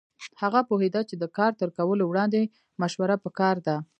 هغه پوهېده چې د کار تر کولو وړاندې مشوره پکار ده.